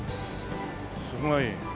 すごい。